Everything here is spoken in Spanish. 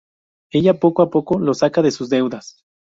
Ella poco a poco lo saca de sus deudas.